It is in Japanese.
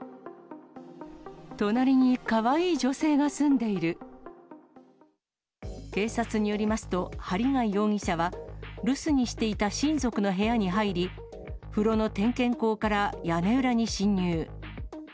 隣にかわいい女性が住んでい警察によりますと、針谷容疑者は、留守にしていた親族の部屋に入り、風呂の点検口から屋根裏に侵入。